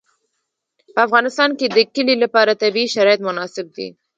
په افغانستان کې د کلي لپاره طبیعي شرایط مناسب دي.